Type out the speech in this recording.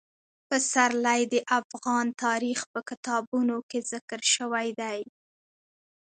پسرلی د افغان تاریخ په کتابونو کې ذکر شوی دي.